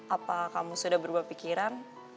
apa kamu sudah berubah pikiran